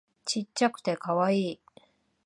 ちっちゃくてカワイイ